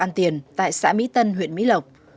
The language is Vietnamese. ăn tiền tại xã mỹ tân huyện mỹ lộc